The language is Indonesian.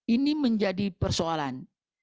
ini menjadi persoalan